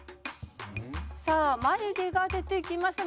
「さあ眉毛が出てきました。